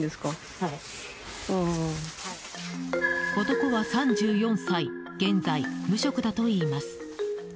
男は３４歳現在、無職だといいます。